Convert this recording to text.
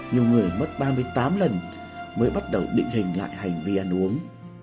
nhiều người mất ba mươi tám lần mới bắt đầu định hình lại hành vi ăn uống